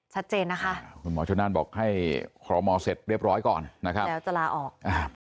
ชัดเจนนะคะคุณหมอชนนั่นบอกให้คอรมอเสร็จเรียบร้อยก่อนนะครับแล้วจะลาออก